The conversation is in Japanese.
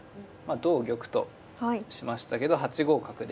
同玉としましたけど８五角で。